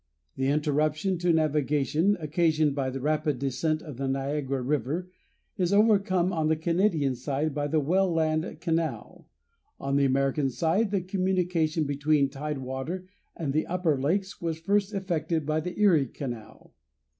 The interruption to navigation occasioned by the rapid descent of the Niagara River is overcome on the Canadian side by the Welland Canal; on the American side the communication between tide water and the upper lakes was first effected by the Erie Canal.